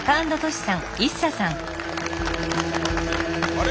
あれ？